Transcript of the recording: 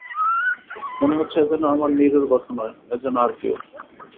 মনে হচ্ছে এ যেন আমার নীরুর কথা নয়, এ যেন আর-কেউ।